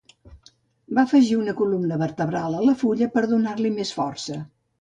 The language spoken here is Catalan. Va afegir una columna vertebral a la fulla per donar-li més força.